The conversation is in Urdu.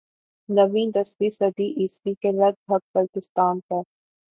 نویں دسویں صدی عیسوی کے لگ بھگ بلتستان پر